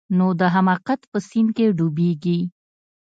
نو د حماقت په سيند کښې ډوبېږي.